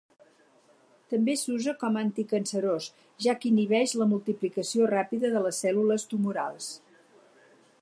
També s'usa com anticancerós, ja que inhibeix la multiplicació ràpida de les cèl·lules tumorals.